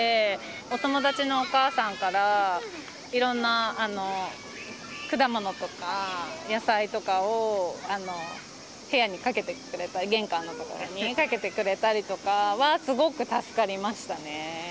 お友達のお母さんからいろんな果物とか、野菜とかを部屋にかけてくれたり、玄関の所にかけてくれたりとかは、すごく助かりましたね。